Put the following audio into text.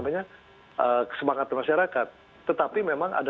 tetapi memang ada kesalahan juga jadi kalau kita